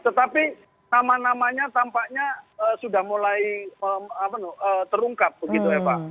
tetapi nama namanya tampaknya sudah mulai terungkap begitu eva